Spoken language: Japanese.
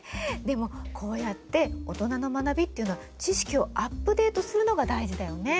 でもこうやって大人の学びっていうのは知識をアップデートするのが大事だよね。